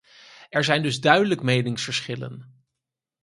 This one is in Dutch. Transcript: Er zijn dus duidelijk meningsverschillen.